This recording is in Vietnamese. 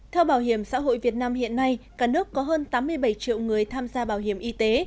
theo bảo hiểm xã hội việt nam hiện nay cả nước có hơn tám mươi bảy triệu người tham gia bảo hiểm y tế